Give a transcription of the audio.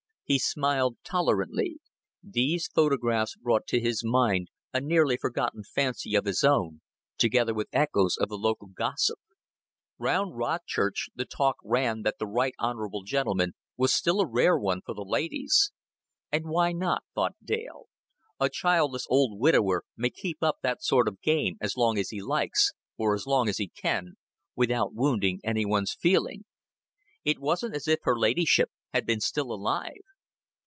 He smiled tolerantly. These photographs brought to his mind a nearly forgotten fancy of his own, together with echoes of the local gossip. Round Rodchurch the talk ran that the Right Honorable gentleman was still a rare one for the ladies. "And why not?" thought Dale. A childless old widower may keep up that sort of game as long as he likes, or as long as he can, without wounding any one's feeling. It wasn't as if her ladyship had been still alive.